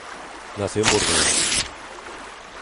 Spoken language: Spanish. Nació en Burdeos.